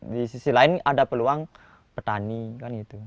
di sisi lain ada peluang petani kan gitu